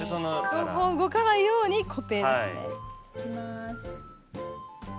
両方動かないように固定ですねいきます。